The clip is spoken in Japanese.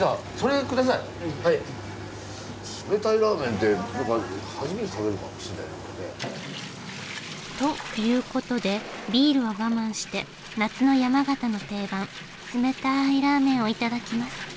冷たいラーメンって僕初めて食べるかもしれないな。という事でビールは我慢して夏の山形の定番冷たいラーメンを頂きます。